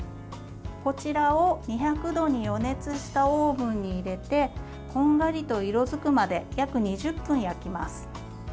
こちらを２００度に予熱したオーブンに入れてこんがりと色づくまで約２０分焼きます。